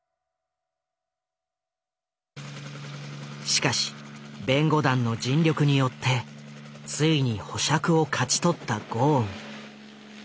しかし弁護団の尽力によってついに保釈を勝ち取ったゴーン。